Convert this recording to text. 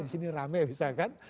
disini rame bisa kan